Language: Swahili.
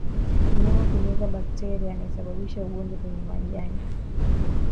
Mnyama kumeza bakteria anayesababisha ugonjwa kwenye majani